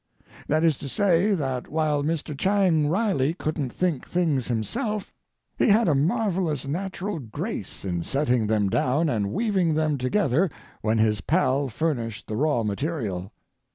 That is to say, that while Mr. Chang Riley couldn't think things himself, he had a marvellous natural grace in setting them down and weaving them together when his pal furnished the raw material.